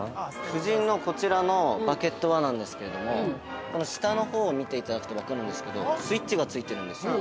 ◆夫人のこちらのバケットはなんですけれどもこの下のほうを見ていただくと分かるんですけどスイッチがついているんですよ。